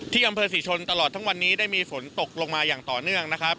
อำเภอศรีชนตลอดทั้งวันนี้ได้มีฝนตกลงมาอย่างต่อเนื่องนะครับ